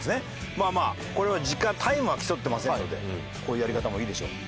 まあまあこれは時間タイムは競ってませんのでこういうやり方もいいでしょう。